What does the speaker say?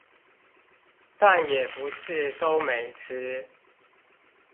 但也不是都沒吃